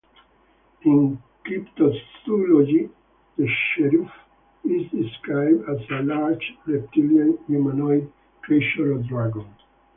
In cryptozoology, the "Cherufe" is described as a large reptilian humanoid creature or dragon.